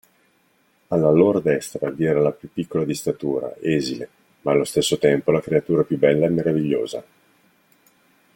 Alla loro destra vi era la più piccola di statura, esile, ma allo stesso tempo la creatura più bella e meravigliosa.